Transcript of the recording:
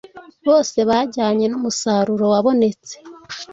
bose bajyanye numusaruro wabonetse